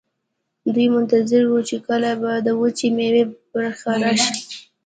دوی منتظر وو چې کله به د وچې میوې برخه راشي.